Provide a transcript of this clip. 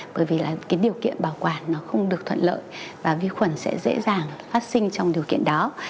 bởi vì cái điều kiện bảo quản nó không được thuận lợi và vi khuẩn sẽ dễ dàng phát sinh trong điều kiện đó